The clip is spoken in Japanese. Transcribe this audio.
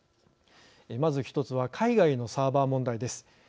まず１つは海外のサーバー問題です。